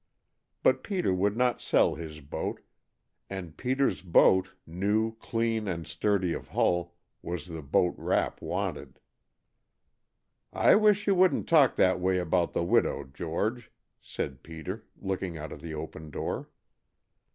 But Peter would not sell his boat, and Peter's boat, new, clean and sturdy of hull, was the boat Rapp wanted. "I wish you wouldn't talk that way about the widow, George," said Peter, looking out of the open door.